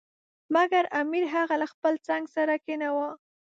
مګر امیر هغه له خپل څنګ سره کښېناوه.